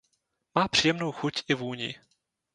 Má příjemnou chuť i vůni.